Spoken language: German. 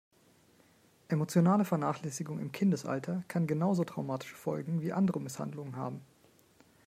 Emotionale Vernachlässigung im Kindesalter kann genauso traumatische Folgen wie andere Misshandlungen haben.